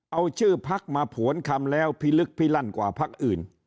เอาชื่อพักมาผวนคำแล้วพิลึกพิลั่นกว่าพักอื่น